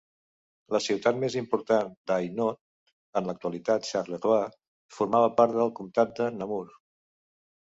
La ciutat més important d'Hainaut en l'actualitat, Charleroi, formava part del comtat de Namur.